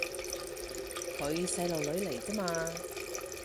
佢細路女嚟咋嘛